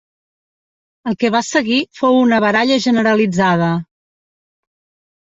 El que va seguir fou una baralla generalitzada.